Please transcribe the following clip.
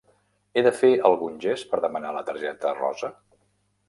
He de fer algun gest per demanar la targeta rosa?